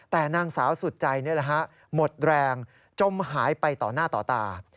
แต่นางสาวสุดใจหมดแรงจมหายไปต่อหน้าต่อตา